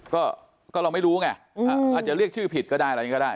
ก็ก็เราไม่รู้ไงอืมอาจจะเรียกชื่อผิดก็ได้อะไรยังไงก็ได้